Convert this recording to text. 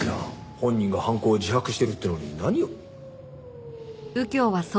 本人が犯行を自白してるっていうのに何を。